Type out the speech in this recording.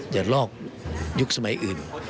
อย่าลอกยุคสมัยอื่น